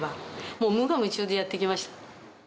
もう無我夢中でやってきました。